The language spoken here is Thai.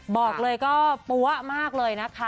บอกเลยก็ปั๊วมากเลยนะคะ